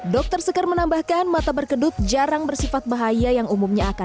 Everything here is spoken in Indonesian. dr seker menambahkan mata berkedut jarang bersifat bahaya yang umumnya akan terjadi